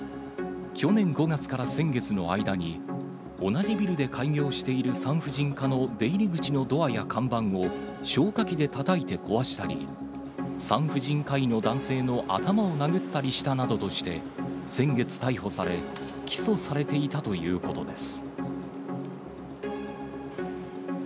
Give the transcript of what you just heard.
去年５月から先月の間に、同じビルで開業している産婦人科の出入り口のドアや看板を消火器でたたいて壊したり、産婦人科医の男性の頭を殴ったりしたなどとして、先月逮捕され、起訴されていたということです。